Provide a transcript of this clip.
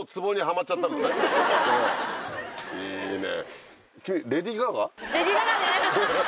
いいね。